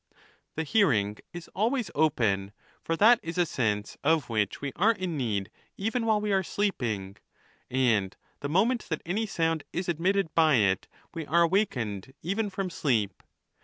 The hearing is always open, for that is a sense of which we are in need even while we are sleeping; and the mo ment that any sound is admitted by it we are awakened even from sleep.